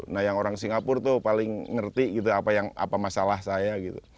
nah yang orang singapur itu paling ngerti apa masalah saya